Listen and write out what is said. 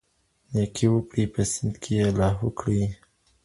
نيکي وکړئ په سيند يې لاهو کړئ.